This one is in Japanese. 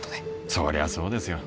そりゃそうですよ